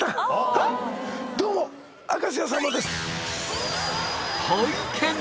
どうも明石家さんまです